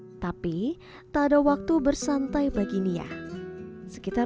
tetapi tidak ada waktu untuk menyenangkan untuk nia